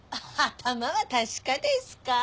頭は確かですか？